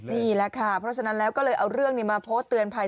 นี่แหละค่ะเพราะฉะนั้นแล้วก็เลยเอาเรื่องนี้มาโพสต์เตือนภัย